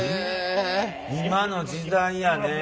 今の時代やね。